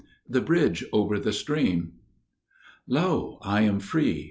The Bridge over the Stream "Lo, I am free!